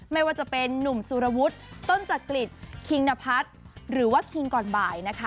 ไม่ว่าจะเป็นนุ่มสุรวุฒิต้นจักริจคิงนพัฒน์หรือว่าคิงก่อนบ่ายนะคะ